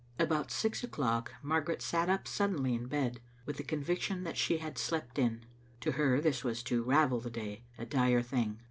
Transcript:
About six o'clock Margaret sat tip suddenly in bed, with the conviction that she had slept in. To her this was to ravel the day: a dire thing.